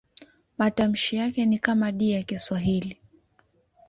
Matamshi yake ni kama D ya Kiswahili.